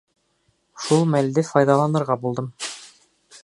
Шул мәлде файҙаланырға булдым.